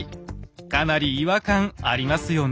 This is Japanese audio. かなり違和感ありますよね。